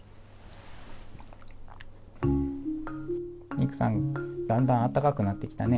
ミクさん、だんだん暖かくなってきたね。